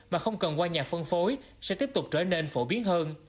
mà không cần qua nhà phân phối sẽ tiếp tục trở nên phổ biến hơn